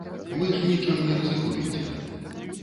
Вы ж нічым не рызыкуеце.